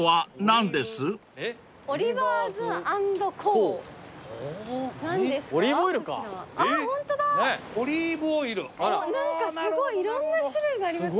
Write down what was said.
何かすごいいろんな種類がありますね。